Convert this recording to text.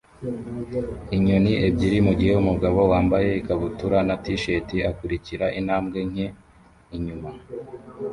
inyoni ebyiri mugihe umugabo wambaye ikabutura na t-shirt akurikira intambwe nke inyuma